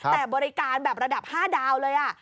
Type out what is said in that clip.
แต่บริการแบบระดับ๕ดาวเลย